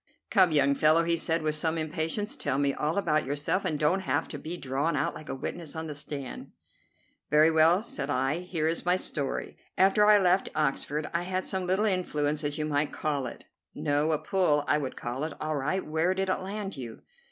"Come, young fellow," he said, with some impatience, "tell me all about yourself, and don't have to be drawn out like a witness on the stand." "Very well," said I, "here is my story. After I left Oxford I had some little influence, as you might call it." "No, a 'pull,' I would call it. All right, where did it land you?"